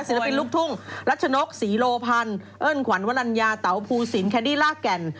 ปินลูกทุ่งรัชนกศรีโลพันธ์เอิ้นขวัญวรรณญาเต๋าภูสินแคนดี้ลากแก่น